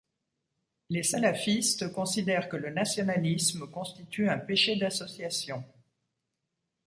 Les salafistes considèrent que le nationalisme constitue un péché d'association.